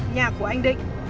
nhà của anh định